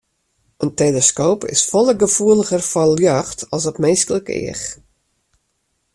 In teleskoop is folle gefoeliger foar ljocht as it minsklik each.